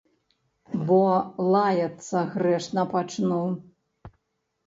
Бо лаяцца грэшна пачну.